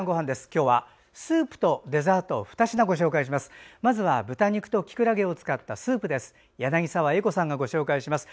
今日はスープとデザート２品をご紹介します。